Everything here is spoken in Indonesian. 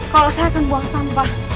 kalau saya akan buang sampah